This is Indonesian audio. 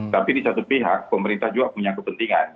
tapi di satu pihak pemerintah juga punya kepentingan